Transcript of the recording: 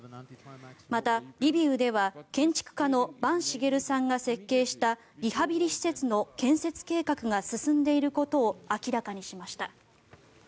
また、リビウでは建築家の坂茂さんが設計したリハビリ施設の建設計画が進んでいることを明らかにしました。